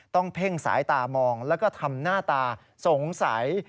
เพ่งสายตามองแล้วก็ทำหน้าตาสงสัย